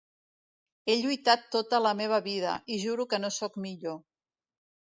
He lluitat tota la meva vida, i juro que no sóc millor.